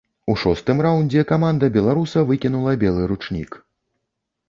У шостым раўндзе каманда беларуса выкінула белы ручнік.